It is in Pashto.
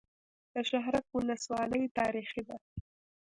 د شهرک ولسوالۍ تاریخي ده